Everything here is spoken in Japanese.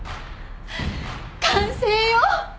完成よ！